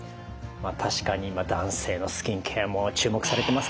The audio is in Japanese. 確かに今男性のスキンケアも注目されてますからね。